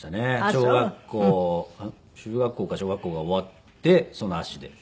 小学校中学校か小学校が終わってその足で。